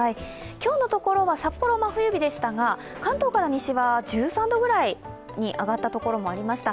今日のところは札幌が真冬日でしたが、関東から西は１３度ぐらいに上がったところもありました。